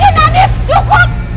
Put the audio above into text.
rizky nadif cukup